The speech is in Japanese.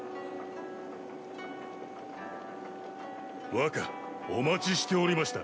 若お待ちしておりました。